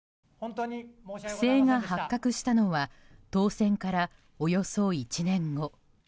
不正が発覚したのは当選からおよそ１年後。